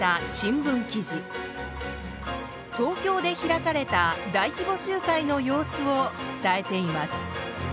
東京で開かれた大規模集会の様子を伝えています。